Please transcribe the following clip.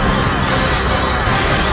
aku tidak percaya